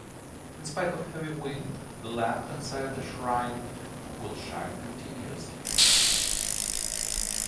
In spite of heavy wind the lamp inside the shrine will shine continuously.